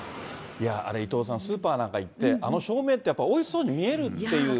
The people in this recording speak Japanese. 伊藤さん、スーパーなんか行って、あの照明って、なんかおいしそうに見えるっていう。